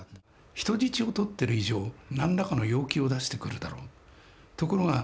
人質を取ってる以上何らかの要求を出してくるだろう。